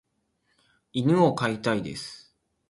犬を飼いたいです。